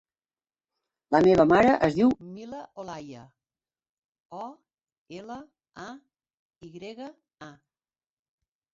La meva mare es diu Mila Olaya: o, ela, a, i grega, a.